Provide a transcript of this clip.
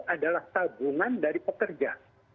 adalah tabungan dari pekerja